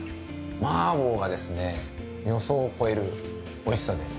麻婆が予想を超えるおいしさで。